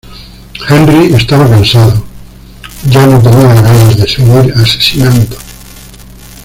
Henry estaba cansado, ya no tenía ganas de seguir asesinando.